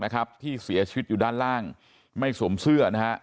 นาราศักดิ์นะครับที่เสียชีวิตอยู่ด้านล่างไม่สวมเสื้อนะฮะ